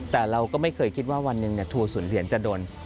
แต่เราก็ไม่เคยคิดว่าวันหนึ่งทัวร์ศูนย์เหรียญจะโดน